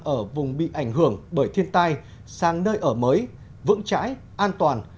ở vùng bị ảnh hưởng bởi thiên tai sang nơi ở mới vững chãi an toàn